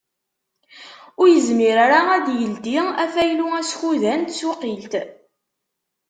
Ur yezmir ara ad d-yeldi afaylu askudan n tsuqilt.